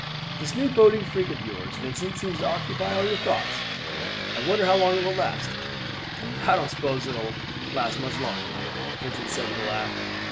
"This new boating freak of yours, Vincent, seems to occupy all your thoughts. I wonder how long it will last." "I don't suppose it will last much longer, mother," Vincent said with a laugh.